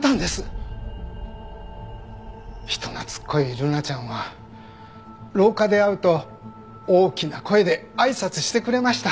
人懐っこいルナちゃんは廊下で会うと大きな声であいさつしてくれました。